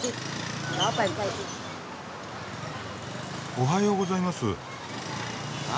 おはようございます。